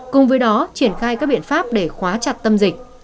cùng với đó triển khai các biện pháp để khóa chặt tâm dịch